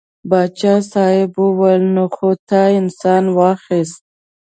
پاچا صاحب وویل نو خو تا انسان واخیست.